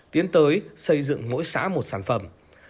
tiến tới xây dựng mỗi xã một sản phẩm